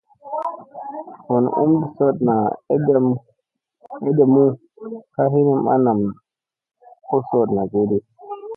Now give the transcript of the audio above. Vun umɓi sooɗna eɗemu ka hinim a nam oo soɗna kiɗi.